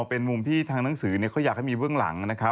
เป็นมุมที่ทางหนังสือเขาอยากแต่มีเบื้องหลัง